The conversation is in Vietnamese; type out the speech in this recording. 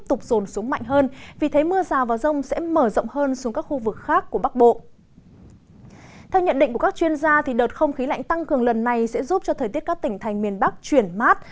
theo nhận định của các chuyên gia đợt không khí lạnh tăng cường lần này sẽ giúp cho thời tiết các tỉnh thành miền bắc chuyển mát